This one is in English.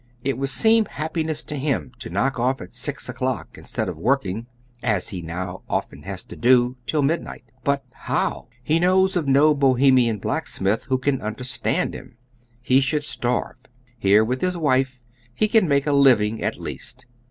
It would seem happiness to him to knock off at 6 o'clock in stead of working, as he now often has to do, till midnight. But how? lie knows of no Bohemian blacksmith who can understand him; lie should starve. Here, with hia wife, he can niako a living at least.